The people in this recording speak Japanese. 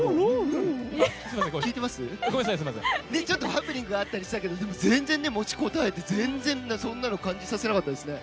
ハプニングがあったりしたけど全然持ちこたえてそんなの感じさせなかったですよね。